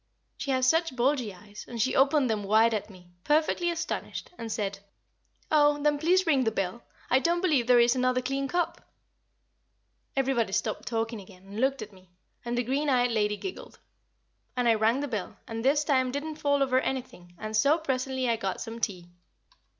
She has such bulgy eyes, and she opened them wide at me, perfectly astonished, and said, "Oh! then please ring the bell; I don't believe there is another clean cup." Everybody stopped talking again, and looked at me, and the green eyed lady giggled and I rang the bell, and this time didn't fall over anything, and so presently I got some tea.